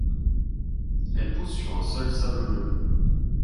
Elle pousse sur un sol sablonneux.